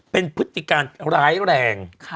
เป็นพฤติการร้ายแรง